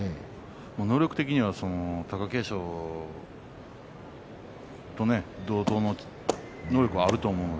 能力的には貴景勝と同等の能力はあると思います。